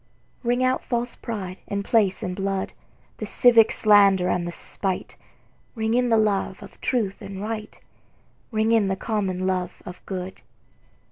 Ring out false pride in place and blood, The civic slander and the spite; Ring in the love of truth and right, Ring in the common love of good.